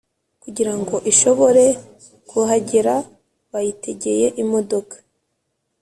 kugira ngo ishobore kuhagera bayitegeye imodoka